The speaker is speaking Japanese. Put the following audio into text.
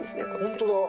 本当だ。